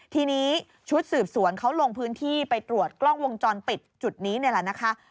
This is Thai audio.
ทีนี้ชุดสืบสวนเขาลงพื้นที่ไปตรวจกล้องวงจรปิดจุดนี้นี่แหละนะคะ